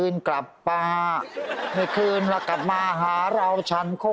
น่ารักมาก